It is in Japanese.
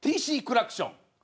ＴＣクラクション。